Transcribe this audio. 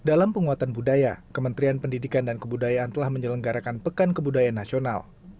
dalam penguatan budaya kementerian pendidikan dan kebudayaan telah menyelenggarakan pekan kebudayaan nasional